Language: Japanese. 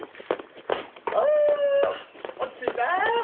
あ落ち着いた。